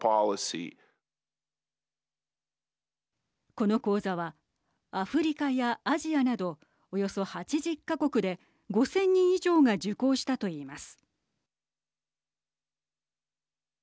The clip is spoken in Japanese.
この講座はアフリカやアジアなどおよそ８０か国で５０００人以上が受講したと言います。